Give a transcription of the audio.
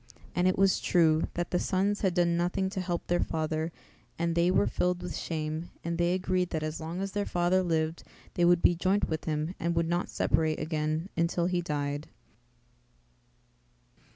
And it was true, that the sons had done nothing to help their father and they were filled with shame and they agreed that as long as their father lived they would be joint with him and would not separate again until he died.